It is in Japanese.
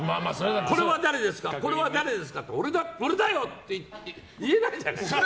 これは誰ですかこれは誰ですかって俺だよって言えないじゃない。